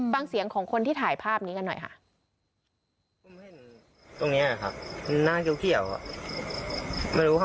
ฟังเสียงของคนที่ถ่ายภาพนี้กันหน่อยค่ะ